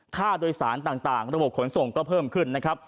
ค่าโดยสารต่างระบบขนส่งก็เพิ่มขึ้นนะครับ